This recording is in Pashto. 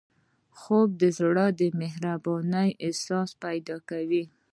خوب د زړه د مهربانۍ احساس پیدا کوي